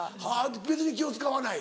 別に気を使わない？